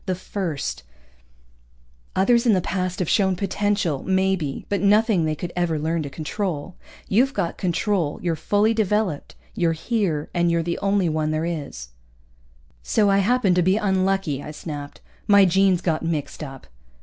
The first. Others in the past have shown potential, maybe, but nothing they could ever learn to control. You've got control, you're fully developed. You're here, and you're the only one there is." "So I happened to be unlucky," I snapped. "My genes got mixed up."